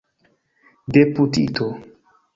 deputito